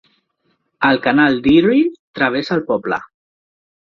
El Canal d'Erie travessa el poble.